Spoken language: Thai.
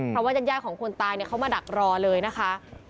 เพราะว่ายาดของคนตายเขามาดักรอเลยนะคะ